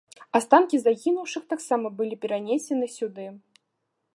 Астанкі загінуўшых таксама былі перанесены сюды.